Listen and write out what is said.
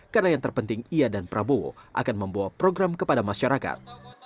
karena yang terpenting ia dan prabowo akan membawa program kepada masyarakat